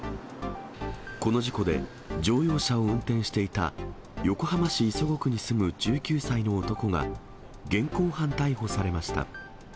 この事故で、乗用車を運転していた横浜市磯子区に住む１９歳の男が現行犯逮捕されました。